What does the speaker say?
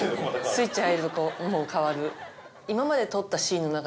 スイッチ入るとこうもう変わる。